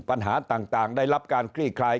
ปัญหาต่างได้รับการคลี่คลาย